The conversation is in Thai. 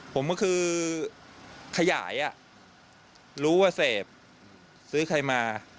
ผมก็คือขยายรู้ว่าเสพซื้อใครมา